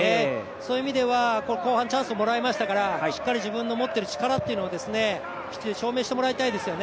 そういう意味では後半チャンスをもらいましたからしっかり自分の持ってる力っていうのをきっちり証明してもらいたいです。